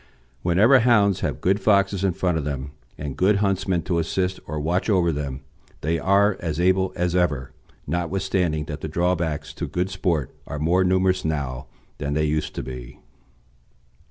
Whenever hounds have good foxes in front of them, and good huntsmen to assist or watch over them, they are as able as ever, notwithstanding that the drawbacks to good sport are more numerous now than they used to be.